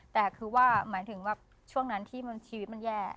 แต่คือว่าหมายถึงว่าช่วงนั้นที่ชีวิตมันแย่